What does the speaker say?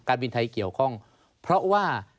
บินไทยเกี่ยวข้องเพราะว่า